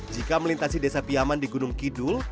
jika melintasi desa piyaman di gunung kidul